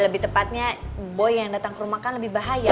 lebih tepatnya boy yang datang ke rumah kan lebih bahaya